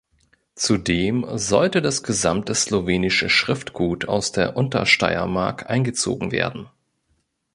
Zudem sollte das gesamte slowenische Schriftgut aus der Untersteiermark eingezogen werden.